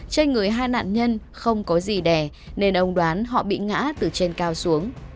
trên người hai nạn nhân không có gì đè nên ông đoán họ bị ngã từ trên cao xuống